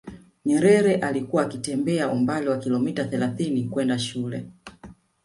nyerere alikuwa akitembea umbali wa kilometa thelathini kwenda shuleni